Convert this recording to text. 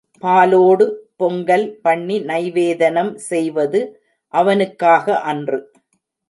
பாலோடு பொங்கல் பண்ணி நைவேதனம் செய்வது அவனுக்காக அன்று.